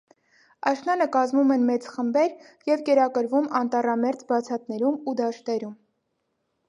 Աշնանը կազմում են մեծ խմբեր և կերակրվում անտառամերձ բացատներում ու դաշտերում։